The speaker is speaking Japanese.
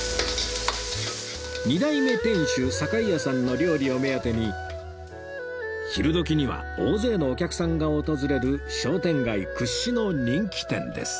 二代目店主境屋さんの料理を目当てに昼時には大勢のお客さんが訪れる商店街屈指の人気店です